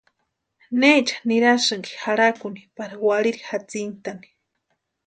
¿Necha nirasïnki jarhakuni pari warhirini jatsintani?